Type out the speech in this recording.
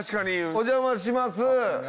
お邪魔します。